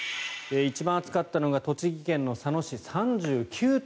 一番暑かったのが栃木県佐野市３９．８度。